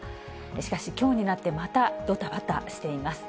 しかし、きょうになってまた、どたばたしています。